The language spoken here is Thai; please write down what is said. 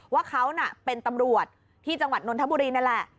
ว่าเขาน่ะเป็นตำรวจที่จังหวัดนนทบุรีนั่นแหละ